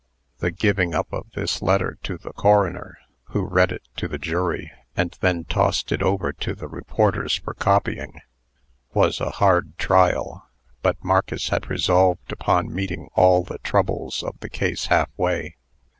[The giving up of this letter to the coroner, who read it to the jury, and then tossed it over to the reporters for copying, was a hard trial, but Marcus had resolved upon meeting all the troubles of the case halfway.